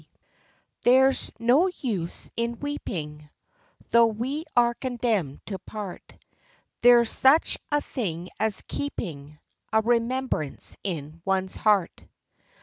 HERE 'S no use in weeping, Though we are condemned to part; There's such a thing as keeping A remembrance in one's heart.